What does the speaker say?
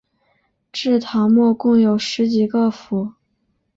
至唐末共有十几个府。